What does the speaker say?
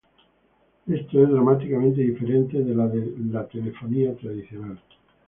Esto es dramáticamente diferente de la de la telefonía tradicional.